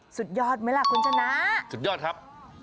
สุดยอดไหมล่ะคุณชนะสุดยอดครับ